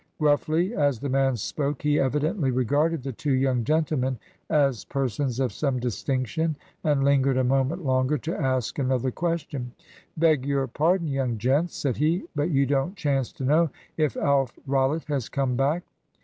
Gruffly as the man spoke, he evidently regarded the two young gentlemen as persons of some distinction, and lingered a moment longer to ask another question. "Beg your pardon, young gents," said he; "but you don't chance to know if Alf Rollitt has come back?"